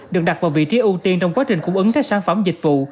được đặt vào vị trí ưu tiên trong quá trình cung ứng các sản phẩm dịch vụ